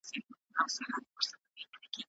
په سوسیالیزم کي خلګ ولي ناراضه دي؟